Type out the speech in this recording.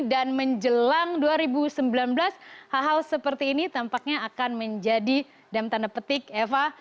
dan menjelang dua ribu sembilan belas hal hal seperti ini tampaknya akan menjadi dan tanda petik eva